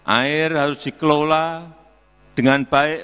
air harus dikelola dengan baik